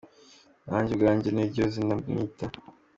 Nanjye ubwanjye niryo zina mwita.